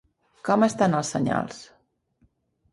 Com estan els senyals?